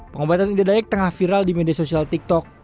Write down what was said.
pengobatan ida dayak tengah viral di media sosial tiktok